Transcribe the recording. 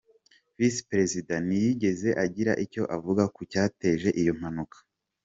Visi Perezida ntiyigeze agira icyo avuga ku cyateje iyo mpanuka.